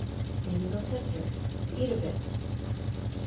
Maybe they'll tempt her to eat a bit.